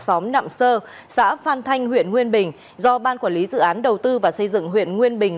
xóm nạm sơ xã phan thanh huyện nguyên bình do ban quản lý dự án đầu tư và xây dựng huyện nguyên bình